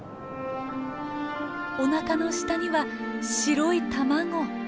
おなかの下には白い卵。